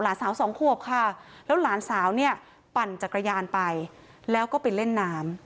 สาวสองขวบค่ะแล้วหลานสาวเนี่ยปั่นจักรยานไปแล้วก็ไปเล่นน้ำ